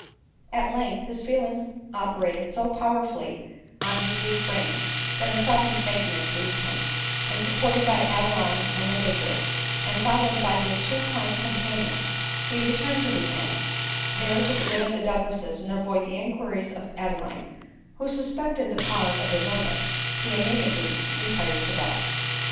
At length his feelings operated so powerfully on his weak frame, that a sudden faintness seized him, and sup ported by Adeline and the Major, and followed by his two kind companions, he returned to the inn ; there, to get rid of the Douglases and avoid the inquiries of Ade line, who suspected the cause of his illness, he immedi ately retired to bed.